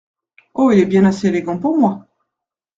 Oh ! il est bien assez élégant pour moi.